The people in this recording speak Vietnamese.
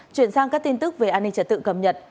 chuyển sang các tin tức về an ninh trật tự cập nhật